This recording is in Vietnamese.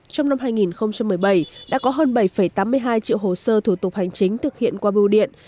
trong năm hai nghìn một mươi bảy đã có hơn bảy tám mươi hai triệu hồ sơ thủ tục hành chính thực hiện qua bưu điện